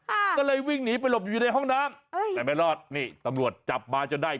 อ่าก็เลยวิ่งหนีไปหลบอยู่ในห้องน้ำเอ้ยแต่ไม่รอดนี่ตำรวจจับมาจนได้